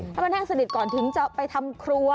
ให้มันแห้งสนิทก่อนถึงจะไปทำครัว